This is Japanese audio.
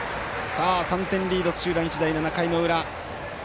３点リード、土浦日大、７回の裏。